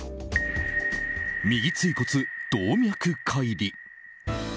右椎骨動脈解離。